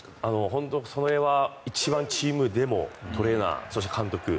本当にそれは一番チームでもトレーナーそして監督